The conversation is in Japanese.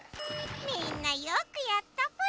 みんなよくやったぽよ。